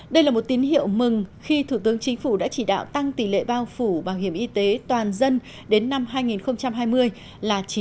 đây là một tín hiệu mừng khi thủ tướng chính phủ đã chỉ đạo tăng tỷ lệ bao phủ bảo hiểm y tế toàn dân đến năm hai nghìn hai mươi là chín mươi